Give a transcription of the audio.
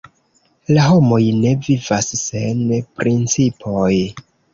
La homoj ne vivas sen principoj.